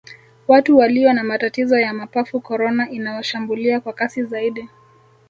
watu waliyo na matatizo ya mapafu korona inawashambulia kwa kasi zaidi